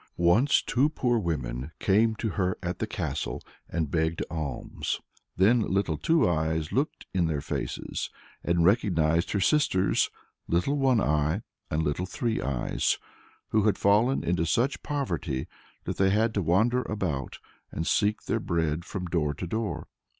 Once two poor women came to her at the castle and begged alms. Then Little Two Eyes looked in their faces and recognised her sisters, Little One Eye and Little Three Eyes, who had fallen into such poverty that they had to wander about, and seek their bread from door to door.